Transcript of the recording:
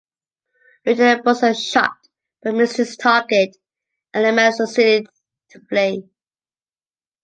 Lieutenant Busson shot but missed his target and the man succeeded to flee.